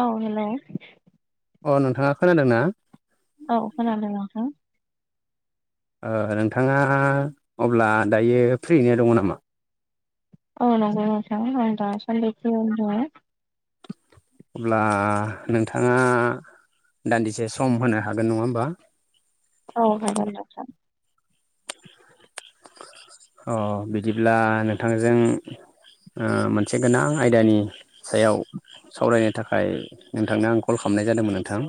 औ हेल'। अ नोंथाङा खोनादों ना? औ खोनादों नोंथां। ओ नोंथाङा अब्ला दायो फ्रियैनो दङ नामा? औ नंगौ नोंथां आं दासन्दि फ्रियावनो दङ'। अब्ला नोंथाङा दान्दिसे सम होनो हागोन नङा होमबा? औ हागोन नोंथां। अ बिदिब्ला नोंथांजों ओ मोनसे गोनां आयदानि सायाव सावरायनो थाखाय नोंथांनो आं कल खालामनाय जादोंमोन नोंथां।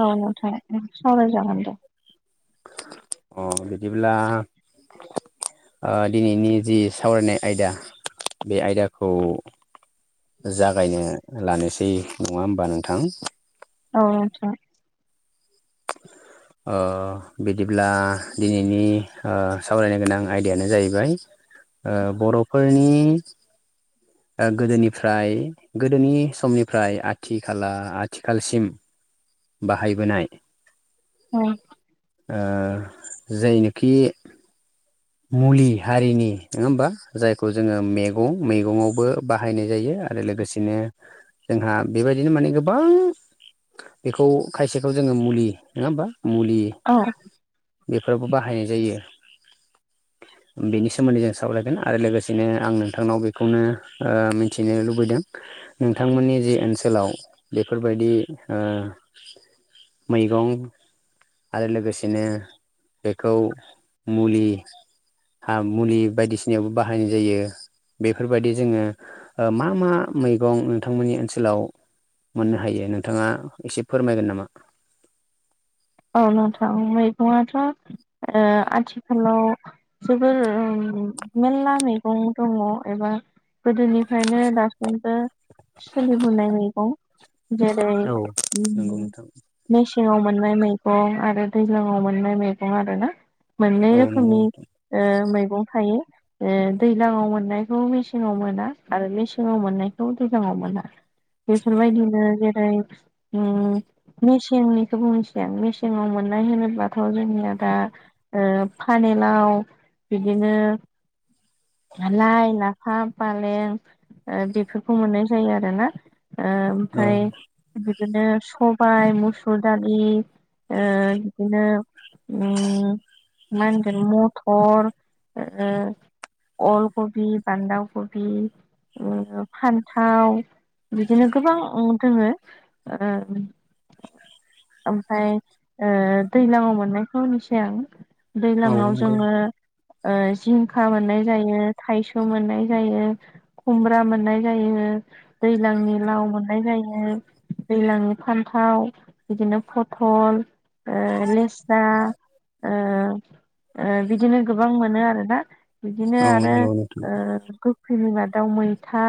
औ नोंथां सावराय जागोन दे। अ बिदिब्ला ओ दिनैनि जि सावरायनाय आयदा बे आयदाखौ जागायनो लानोसै नङा होमबा नोंथां? औ नोंथां। ओ बिदिब्ला दिनैनि ओ सावरायनो गोनां आयदायानो जाहैबाय ओ बर'फोरनि ओ गोदोनिफ्राय गोदोनि समनिफ्राय आथि खाला आथिखालसिम बाहायबोनाय औ जायनोखि मुलि हारिनि नङा होमबा जायखौ जोङो मैगं मैगंावबो बाहायनाय जायो आरो लोगोसे बिदिनो जोंहा बेबायदिनो माने गोबां बेखौ खायसेखौ जोङो मुलि नङा होमबा? मुलि औ बेफोरावबो बाहायनाय जायो। बेनि सोमोन्दै जों सावरायायगोन आरो लोगोसेनो आं नोंथांनाव बेखौनो ओ मिथिनो लुबैदों नोंथांमोननि जि ओनसोलाव बेफोरबायदि मैगं आरो लोगोसेनो बेखौ मुलि हा मुलि बायदिसिनायावबो बाहायनाय जायो बेफोरबायदि जोङो मा मा मैगं नोंथांमोननि ओनसोलाव मोननो हायो नोंथाङा एसे फोरमायगोन नामा औ नोंथां मैगंआथ' आथिखालाव जोबोर मेरला मैगं दङ एबा गोदोनिफ्रायनो दासिमबो सोलिबोनाय मैगं जेरै औ नंगौ नोंथां मेसेंाव मोननाय मैगं आरो दैज्लाङआव मोननाय मैगं आर ना मोननै औ नंगौ रोखोमनि मैगं थायो दैज्लाङाव मोननायखौ मेसेङाव मोना आरो मेसेङाव मोननायखौ दैज्लाङाव मोना बेफोरबायदिनो जेरै मेसेंनिखौ बुंसै आं मेसे सिङाव मोननाय होनोब्लााथ' जोंनिया दा पानलाव बिदिनो लाइ लाफा फालें ओ बेफोरखौ मोननाय जायो आरो ना औ ओमफ्राय बिदिनो सबाय मोसुर दालि [inaudible] बिदिनो मा होनगोन मथर अलकबि बान्दा कबि फान्थाव बिदिनो गोबां दङो ओमफ्राय दैज्लाांआव मोननायखौ होनसै आं औ दै्लाङाव नंगौ जोङो जिंखा मोननाय जायो थायस' मोननाय जायो खुमब्रा मोननाय जायो दैज्लांनि लाव मोननाय जायो दैज्लांनि फान्थाव बिदिनो फथल ओ लेस्रा ओ ओ बिदिनो गोबां मोनो आरोना बिदिनो औ नंगौ नोंथां आरो फैनिबा दाउ मैथा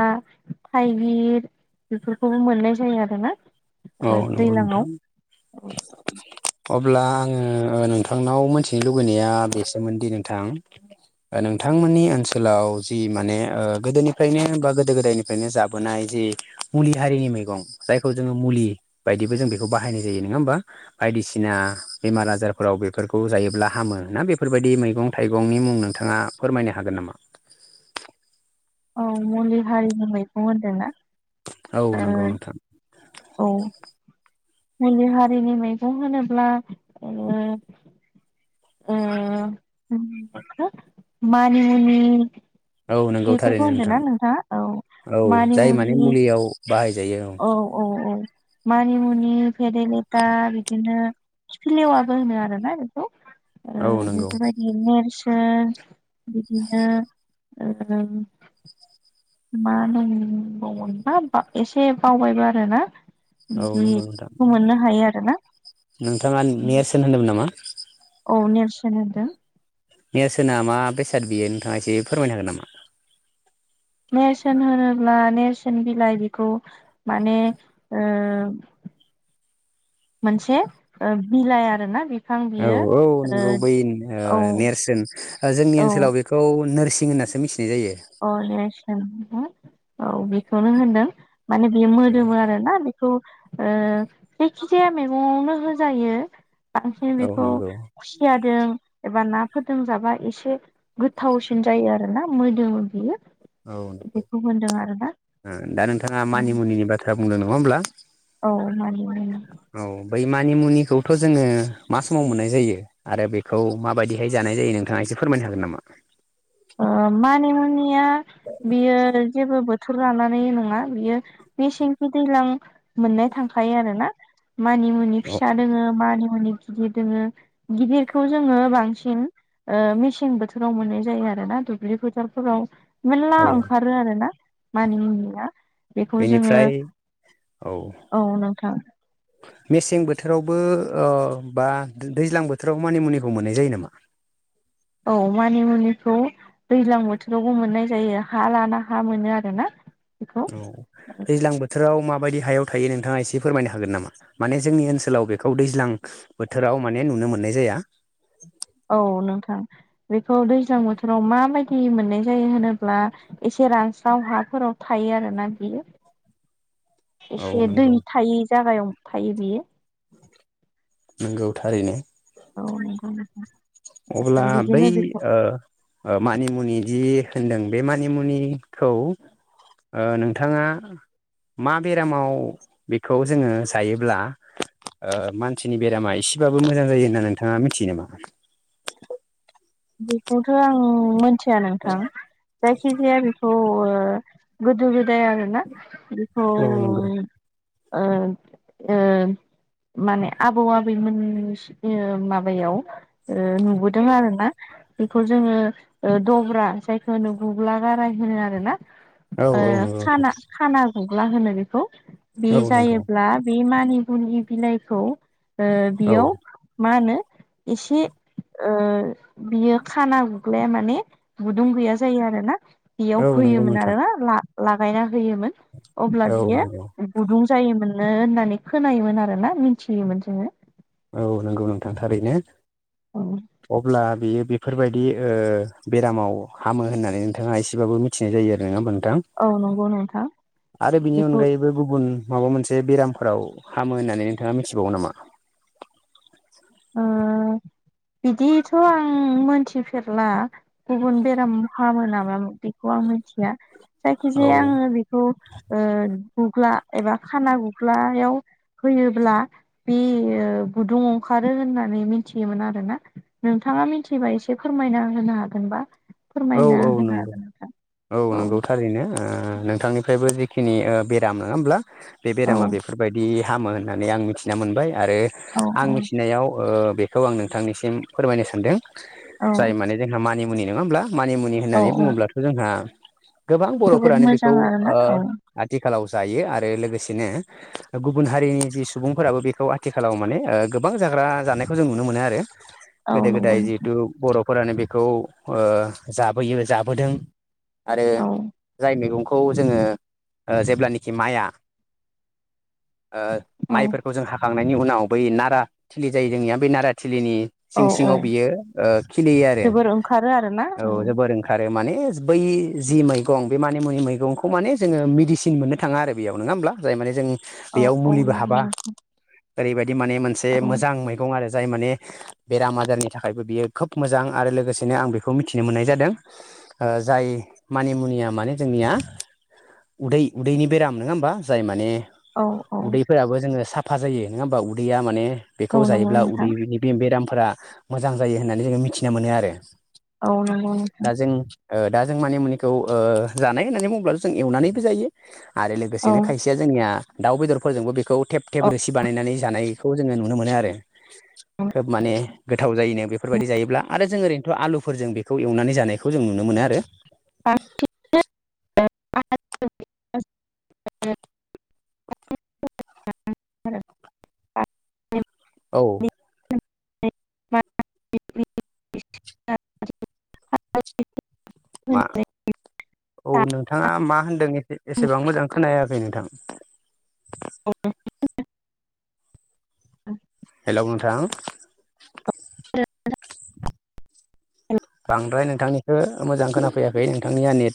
थाइगिर बेफोरखौबो मोननाय जायो आरोना औ नंगौ दैज्लांआव नोंथां अब्ला आङो नोंथांनाव मोनथिनो लुबैनाया बेसोमोनदि नोंथां नोंथांमोननि ओनसोलाव जि माने गोदोनिफ्रायनो बा गोदो गोदायनिफ्रायनो जाबोनाय जि मुलि हारिनि मैगं जायखौ जोङो मुलि बायदिबो जों बेखौ बाहायनाय जायो नङा होमबा बायदिसिना बेमार आजारफोराव बेफोरखौ जायोब्ला हामो ना बेफोरबायदि मैगं थाइगंनि मुं नोंथाङा फोरमायनो हागोन नामा औ मुलि हारिमु मैगं होन्दोंना औ नंगौ नोंथां औ मुलि हारिनि मैगं होनोब्ला अ मानिमनि औ नंगौ बेफोरखौ थारैनो होनदों नोंथां ना नोंथाङा औ औ मानि जाय माने मुनि मुलियाव बाहायजायो औ। औ औ। मानिमुनि फेरेलेथा बिदिनो खाफि लेवाबो होनो आरोना बेखौ। औ ओ नंगौ बेफोरबायदि नेरसोन बिदिनो मा होनबावमोनबा एसे बावबायबो आरोना। औ नंगौ नोंथां बिदिखौ मोननो हायो आरोना नोंथाङा मयेरसोन होनदोंमोन नामा औ नेलसनद नेरसोना मा बेसाद बियो नोंथाङा एसे फोरमायनो हागोन नामा नेरसोन होनोब्ला नेरसोन बिलाइ बेखौ माने ओ मोनसे बिलाइ आरो ना बे औ औ नंगौ। बै ओ नेरसोन जोंनि औ ओनसोलाव बे खौ नोरसिं होननासो मिथिनाय जायो। [unintelligible] औ बेखौनो होनदों माने बेयो मोदोमो आरो ना जायखि ओ जाया मैगंआवनो होजायो। बांसिन औ बेखौ नंगौ खुसियादों एबा ना फोदोंजाबा एसे गोथावसिन जायो आरो ना मोदोम बियो। औ नंगौ। बेखौ होनदों आरोना ओ दा नोंथाङा मानिमुनिनि बाथ्रा बुंदों नङा होमब्ला? औ मानिमुनि। औ बै मानिमुनिखौथ' जोङो मा समाव मोननाय जायो? आरो बेखौ माबायदिहाय जानाय जायो नोंथाङा एसे फोरमायनो हागोन नामा? ओ मानि मुनिया बियो जेबो बो थोर लानानै नङा बियो मेसेंखि दैज्लां मोननाय थांखायो आरोना। मानि मुनि औ फिसा दोङो मानि मुनि गिदिर दोङो गिदिरखौ जोङो बांसिन ओ मेसें बोथोराव मोननाय जायो आ रोना दुब्लि फोथारफोराव मेरला औ ओंखारो आरो ना मानि मुनिया। बेखौ जोङो बेनिफ्राय औ औ नोंथां। मेसें बोथोरावबो ओ बा दैज्लां बोथोराव मानिमुनिखौ मोननाय जायो नामा? औ मानि मुनिखौ दैज्लां बोथोरावबो मोननाय जायो हा लाना हा मोनो आरोना बेखौ। औ। दैज्लां बोथोराव माबायदि हायाव थायो नोंथाङा एसे फोरमायनो हागोन नामा? माने जोंनि ओनसोलाव बेखौ दैज्लां बोथोराव माने नुनो मोननाय जाया। औ नोंथां बेखौ दैज्लां बोथोराव माबायदि मोननाय जायो होनोब्ला एसे रानस्राव हाफोराव थायो आरोना बियो। [inaudible] एसे दै नंगौ थायै जागायाव थायो बियो। नोंगौ थारैनो। औ नंगौ नंगौ। अब्ला बै ओ ओ मानिमुनि जि होनदों बे मानिमुनिखौ ओ नोंथाङा मा बेरामाव बेखौ जोङो जायोब्ला ओ मानसिनि बेरामा एसेबाबो मोजां जायो होनना नोंथाङा मिथियो नामा? बेखौथ' आं मिथिया नोंथां। जायखि जाया बेखौ गोदो गोदाय आरो ना औ नोंगौ। ओ ओ माने आबौ आबैमोन माबायव ओ नुबोदों आर ना। बेखौ जोङो दब्रा जायखौ होनो गुुब्ला गाराय होनो आरो ना औ ओ औ नंगौ नोंथां खाना खाना गुग्ला होनो बेखौ बे औ नंगौ जायोब्ला बे मानिगुनि बिलाइखौ ओ औ बेयाव मा होनो एसे ओ बियो खाना गुग्लाया माने गुदुं गैया जायो आरो ना। बेयाव औ नंगौ होयोमोन नोंथां आरो ना लागायना होयोमोन अब्ला औ बियो नंगौ गुदुं जायोमोननो होननानै खोनायोमोन आरोना मिथियोमोन जोङो औ नंगौ नोंथां थारैनो। औ। अब्ला बियो बेफोरबायदि ओ बेरामाव हामो होननानै नोंथाङा एसेबाबो मि थिनाय जायो आरो नङा होनबा नोंथां? औ नंगौ नोंथां आरो बिनि बेखौ अनगायैबो गुबुन माबा मोनसे बेरामफोराव हामो होननानै नोंथाङा मिथिबावो नामा? ओ बिदिथ' आं मोनथिफेरला। गुबुन बेराम फामो नामा बेखौ आं मिथिया औ जायखिजाया आङो। बेखौ ओ गुग्ला एबा खाना गुग्लायाव होयोब्ला बे गुदुं खारो होननानै मिथियोमोन आरो ना नोंथाङा मिथिबा एसे फोरमायना होनो हागोनबा। औ फोरमायनो औ होनो नंगौ हागोन औ नंगौ थारैनो नोंथांनि फ्रायबो जिखिनि ओ बेराम नङा होमब्ला बे औ बेरामा बेफोरबायदि हामो होननानै आं मिथिना मोनबाय आरो औ आं मिथिनायाव ओ बे खौ आं नोंथांनिसिम फोरमायनो सानदों औ जाय माने जोंहा मानिमुनि नङा होमब्ला मानिमुनि औ होननानै औ बुङोब्लाथ' जोंहा गोबां जोबोद बर'फोरानो बेखौ मोजां आरोना ओ औ आथिखालाव जायो आरो लोगोसेनो गुबुन हारिनि जि सुबुंफोराबो बेखौ आथिखालाव माने ओ गोबां जाग्रा जानायखौ जों नुनो मोनो आरो औ गोदो नंगौ गोदाय नोंथां जिहेथु बर'फोरानो बेखौ ओ जाबोयो जाबोदों आरो औ जाय मैगंखौ जोङो जेब्लानाखि माइया ओ औ माइफोरखौ जों हाखांनायनि उनाव बै नारा थिलि जायो जोंनिया बै नारा थिलिनि औ सिं सिङाव बियो ओ खिलियो आरो खारो आरो ना औ जोबोर ओंखारो माने बै जि मैगं बे मानि मुनि मैगंखौ माने जोङो मेदिसिन मोनो थाङा आरो बेयाव नङा होमब्ला जाय माने जों औ बेयाव औ मुलिबो हाबा नंगौ ओरैबायाददि माने मोनसे औ मोजां मैगं आरो जाय माने बेराम आजारनि थाखायबो बियो खोब मोजां। आरो लोगोसेनो आं बे खौ मिथिनो मोननाय जादों जाय मानि मुनिया माने जोंनिया उदै उदैनि बेराम नङा होमबा जाय माने औ औ फोराबो जोङो साफा जायो नङा होमबा उदैया माने औ बेखौ नंगौ जायोब्ला नोंथां उदै बिदि बे बेरामफोरा मोजां जायो होननानै जोङो मिथिना मोनो आरो औ नंगौ नोंथां दा जों दा जों मानि मुनिखौ ओ जानाय होननानै बुङोब्ला' जों एवनानैबो जायो। आरो औ लोगोसेनो खायसेया जोंनिया दाउ बेदरफोरजोंबो बेखौ थेब थेब रोसि बानायनानै जानाय खौ जोङो नुनो मोनो आरो खोब माने गोथाव जायोनो बेफोरबायदि जायोब्ला आरो जों ओरैनोथ' आलुफोरजों बेखौ एवनानै जानायखौ जों नुनो मोनो आरो। [unintelligible] [unintelligible] औ [unintelligible] मा औ नोंथाङा मा होनदों एसेबां मोजां खोनायाखै नोंथां औ हेल' नोंथां [unintelligible] बांद्राय नोंथांनिखो मोजां खोनाफैयाखै नोंथांनिया नेट